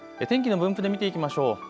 天気の分布で見ていきましょう。